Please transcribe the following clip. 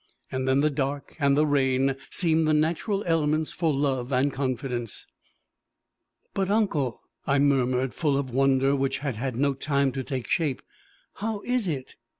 Then the dark and the rain seemed the natural elements for love and confidence. "But, uncle," I murmured, full of wonder which had had no time to take shape, "how is it?"